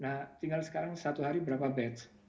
nah tinggal sekarang satu hari berapa batch